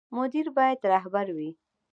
مدیر باید رهبر وي